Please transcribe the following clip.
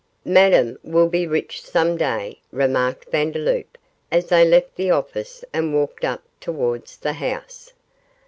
"Madame will be rich some day," remarked Vandeloup, as they left the office and walked up towards the house.